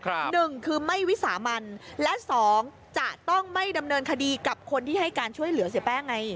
หนึ่งคือไม่วิสามันและสองจะต้องไม่ดำเนินคดีกับคนที่ให้การช่วยเหลือเสียแป้งไง